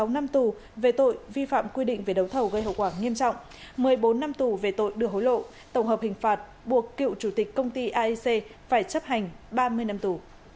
một mươi năm tù về tội vi phạm quy định về đấu thầu gây hậu quả nghiêm trọng một mươi bốn năm tù về tội đưa hối lộ tổng hợp hình phạt buộc cựu chủ tịch công ty aic phải chấp hành ba mươi năm tù